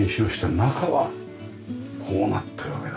中はこうなってるわけだ。